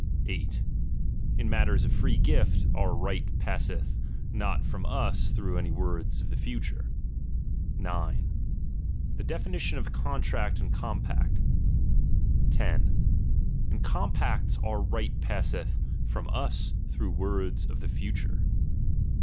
8. In mat ters of free gift, our right passeth not from us through any words of the future. 9. The definition of contract and com pact. 10. In compacts, our right passeth from us through words of the future.